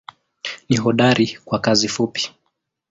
Ni hodari kwa kazi fupi.